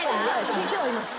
聞いてはいます。